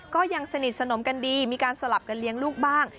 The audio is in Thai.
ก็ยังสนิทสนมกันดีมีการสลับกันเลี้ยงลูกบ้าง